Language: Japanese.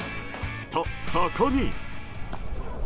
と、そこに。